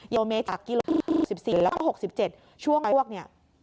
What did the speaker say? ยกเมตรกิโลกรัมที่๒๔และ๖๗ช่วงพวกนี้